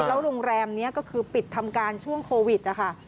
แล้วโรงแรมนี้ก็คือปิดทำการช่วงโควิดนะคะ